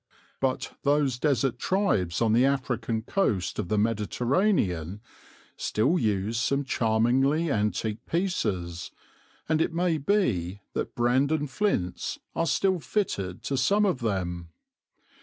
But those desert tribes on the African coast of the Mediterranean still use some charmingly antique pieces, and it may be that Brandon flints are still fitted to some of them.